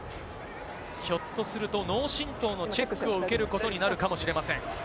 ひょっとすると脳震とうのチェックを受けることになるかもしれません。